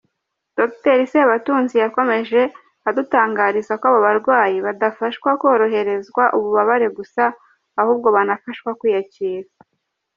Dr Sebatunzi yakomeje adutangariza ko abo barwayi badafashwa koroherezwa ububabare gusa, ahubwo banafashwa kwiyakira.